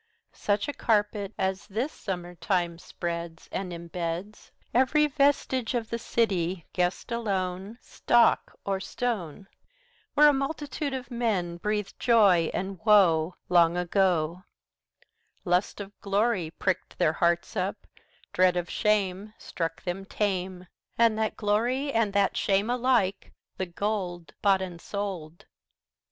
Such a carpet as, this summer time, o'erspreads And embeds Every vestige of the city, guessed alone, Stock or stone 30 Where a multitude of men breathed joy and woe Long ago; Lust of glory pricked their hearts up, dread of shame Struck them tame; And that glory and that shame alike, the gold 35 Bought and sold.